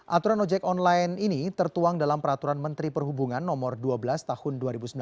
aturan ojek online ini tertuang dalam peraturan menteri perhubungan no dua belas tahun dua ribu sembilan belas